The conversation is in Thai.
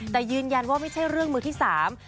แต่ยืนยันว่าไม่ใช่เรื่องมือที่สาม